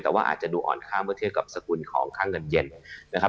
แต่ว่าอาจจะดูอ่อนค่าเมื่อเทียบกับสกุลของค่าเงินเย็นนะครับ